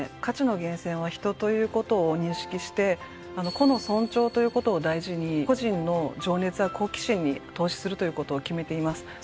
価値の源泉は人ということを認識して個の尊重ということを大事に個人の情熱や好奇心に投資するということを決めています。